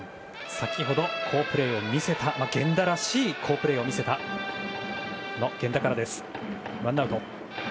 先程、好プレーを見せた源田らしい好プレーを見せた源田からです。